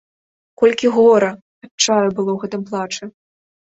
Колькі гора, адчаю было ў гэтым плачы!